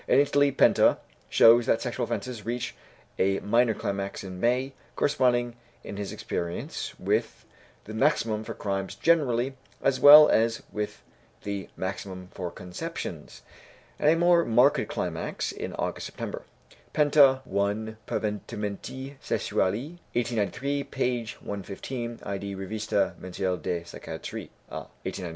In Italy, Penta shows that sexual offences reach a minor climax in May (corresponding, in his experience, with the maximum for crimes generally, as well as with the maximum for conceptions), and a more marked climax in August September (Penta, I Pervertimenti Sessuali, 1893, p. 115; id. Rivista Mensile di Psichiatria, 1899).